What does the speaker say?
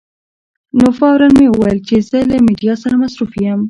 نو فوراً مې وویل چې زه له میډیا سره مصروف یم.